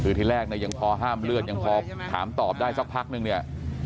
คือที่แรกเนี่ยยังพอห้ามเลือดยังพอถามตอบได้สักพักนึงเนี่ย